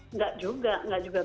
nggak juga nggak juga